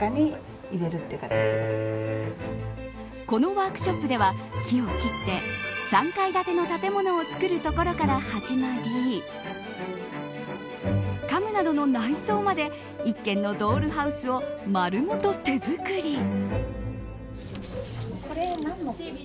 このワークショップでは木を切って３階建ての建物を作るところから始まり家具などの内装まで１軒のドールハウスを丸ごと手作り。